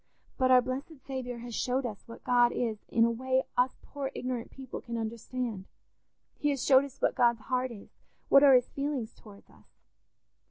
But our blessed Saviour has showed us what God is in a way us poor ignorant people can understand; he has showed us what God's heart is, what are his feelings towards us.